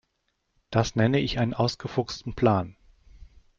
Das nenne ich einen ausgefuchsten Plan.